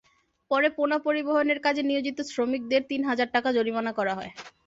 পরে পোনা পরিবহনের কাজে নিয়োজিত শ্রমিকদের তিন হাজার টাকা জরিমানা করা হয়।